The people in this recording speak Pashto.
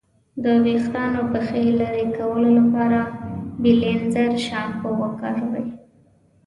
د ویښتانو پخې لرې کولو لپاره بیلینزر شامپو وکاروئ.